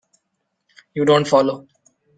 You don't follow.